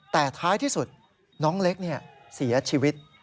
แต่ท้ายที่สุดน้องเล็กเสียชีวิต